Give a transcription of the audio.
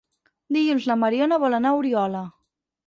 Dilluns na Mariona vol anar a Oriola.